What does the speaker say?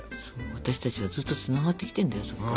私たちはずっとつながってきてんだよ。